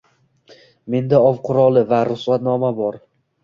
Menda ov quroli va ruxsatnoma bor.